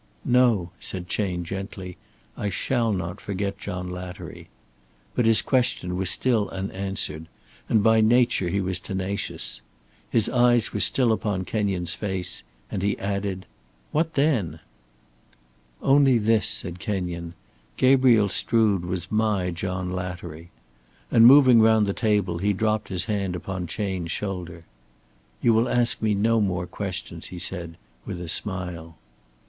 "No," said Chayne, gently, "I shall not forget John Lattery." But his question was still unanswered, and by nature he was tenacious. His eyes were still upon Kenyon's face and he added: "What then?" "Only this," said Kenyon. "Gabriel Strood was my John Lattery," and moving round the table he dropped his hand upon Chayne's shoulder. "You will ask me no more questions," he said, with a smile.